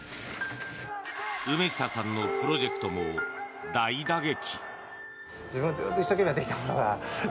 梅下さんのプロジェクトも大打撃。